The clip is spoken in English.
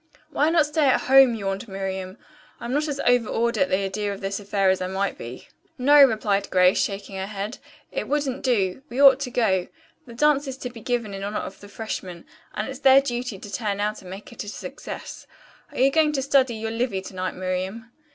"Why not stay at home?" yawned Miriam. "I'm not as over awed at the idea of this affair as I might be." "No," replied Grace, shaking her head. "It wouldn't do. We ought to go. The dance is to be given in honor of the freshmen, and it's their duty to turn out and make it a success. Are you going to study your Livy to night, Miriam?"